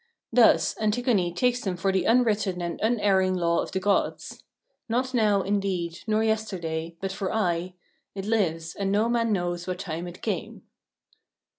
Thus, Antigone takes them for the unwritten and unerring law of the gods —" Not now, indeed, nor yesterday, but for aye It lives, and no man knows what time it came."